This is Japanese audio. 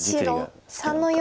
白３の四。